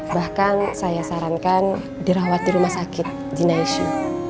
bahkan saya sarankan dirawat di rumah sakit di naishu